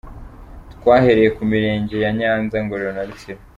Twahereye ku Mirenge ya Nyanza, Ngororero na Rutsiro’’.